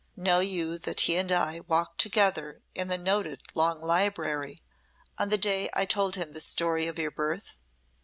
Know you that he and I walked together in the noted Long Gallery, on the day I told him the story of your birth?"